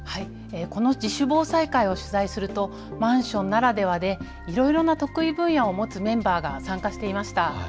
この自主防災会を取材すると、マンションならではでいろいろな得意分野を持つメンバーが参加していました。